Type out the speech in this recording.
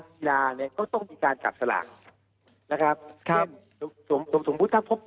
กีฬาเนี่ยก็ต้องมีการจับสลากนะครับเช่นสมมุติถ้าพบ